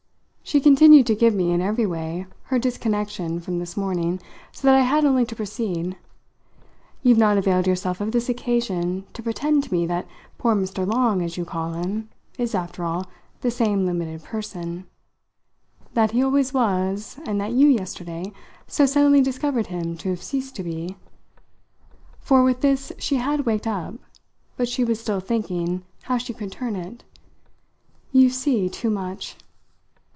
She continued to give me, in every way, her disconnection from this morning, so that I had only to proceed: "You've not availed yourself of this occasion to pretend to me that poor Mr. Long, as you call him, is, after all, the same limited person " "That he always was, and that you, yesterday, so suddenly discovered him to have ceased to be?" for with this she had waked up. But she was still thinking how she could turn it. "You see too much."